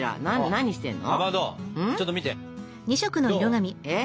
何してるの？